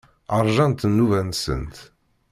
Ṛjant nnuba-nsent.